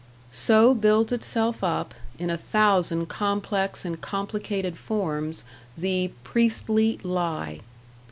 So builds itself up, in a thousand complex and complicated forms, the Priestly Lie.